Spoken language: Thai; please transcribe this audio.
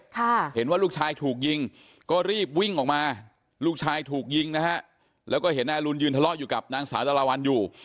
ค่ะเห็นว่าลูกชายถูกยิงก็รีบวิ่งออกมาลูกชายถูกยิงนะฮะแล้วก็เห็นนายอรุณยืนทะเลาะอยู่กับนางสาวดาราวันอยู่